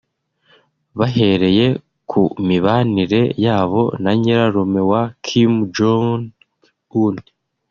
Bahereye ku mibanire yabo na nyirarume wa Kim Jong-Un